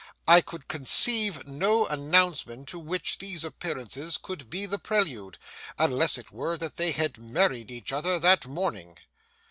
I could conceive no announcement to which these appearances could be the prelude, unless it were that they had married each other that morning.